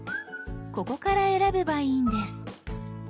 ここから選べばいいんです。